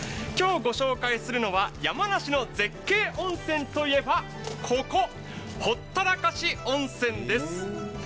今日、御紹介するのは山梨の絶景温泉といえば、ここほったらかし温泉です。